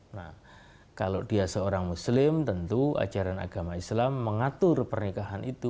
nah kalau dia seorang muslim tentu ajaran agama islam mengatur pernikahan itu